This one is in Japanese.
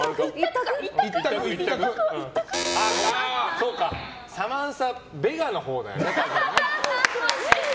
そうかサマンサベガのほうだよね。